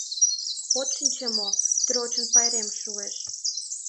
От шинче мо, Тройчын пайрем шуэш...